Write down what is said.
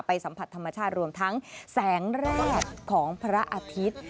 สัมผัสธรรมชาติรวมทั้งแสงแรกของพระอาทิตย์